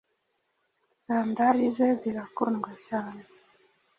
Sandari ze zirakundwa cyane